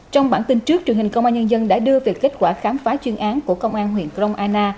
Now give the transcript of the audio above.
trong bản tin trước truyền hình công an nhân dân đã đưa về kết quả khám phá chuyên án của công an huyện krong anna